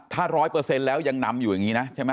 ถ้า๑๐๐แล้วยังนำอยู่อย่างนี้นะใช่ไหม